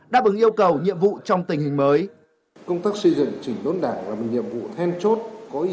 đáp ứng yêu cầu nhiệm vụ trong tình hình mới